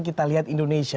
kita lihat indonesia